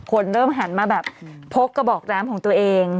คนเริ่มหันมาแบบพกกระบอกแรมของตัวเอง